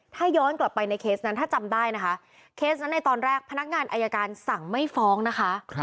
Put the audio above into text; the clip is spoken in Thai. ถ้าย้อนกลับไปในเคสนั้นถ้าจำได้นะคะเคสนั้นในตอนแรกพนักงานอายการสั่งไม่ฟ้องนะคะ